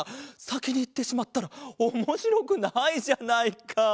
さきにいってしまったらおもしろくないじゃないか。